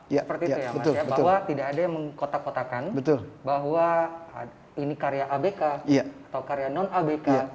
seperti itu ya mas ya bahwa tidak ada yang mengkotak kotakan bahwa ini karya abk atau karya non abk